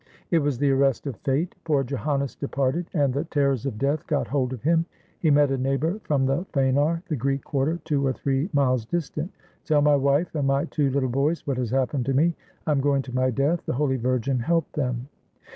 It was the arrest of fate. Poor Joannes departed, 559 TURKEY and the terrors of death got hold of him. He met a neighbor from the Fanar, the Greek quarter, two or three miles distant. "Tell my wife and my two little boys what has happened to me. I am going to my death. The Holy Virgin help them!"